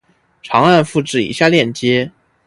长按复制以下链接